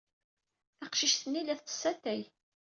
Taqcict-nni la tettess atay.